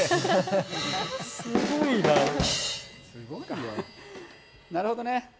なるほどね。